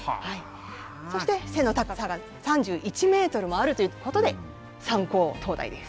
そして背の高さが３１メートルもあるという事で三高灯台です。